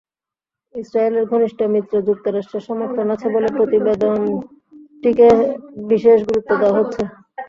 ইসরায়েলের ঘনিষ্ঠ মিত্র যুক্তরাষ্ট্রের সমর্থন আছে বলে প্রতিবেদনটিকে বিশেষ গুরুত্ব দেওয়া হচ্ছে।